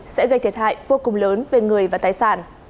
sẽ gây thiệt hại vô cùng lớn về người và tài sản